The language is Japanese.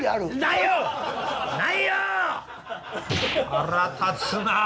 腹立つな。